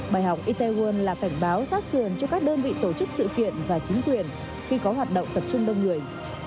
bài học intewon là cảnh báo sát sườn cho các đơn vị tổ chức sự kiện và chính quyền khi có hoạt động tập trung đông người